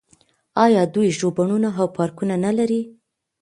آیا دوی ژوبڼونه او پارکونه نلري؟